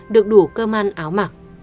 được đủ cơ man áo mặc